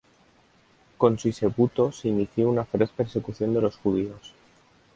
Con Sisebuto se inició una feroz persecución de los judíos.